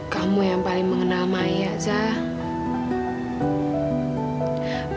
kamu yang paling mengenal saya zak